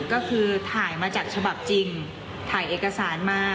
ก็คือถ่ายมาจากฉบับจริงถ่ายเอกสารมา